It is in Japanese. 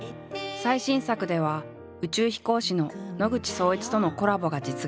最新作では宇宙飛行士の野口聡一とのコラボが実現。